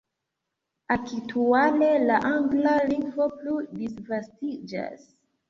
Aktuale la angla lingvo plu disvastiĝas.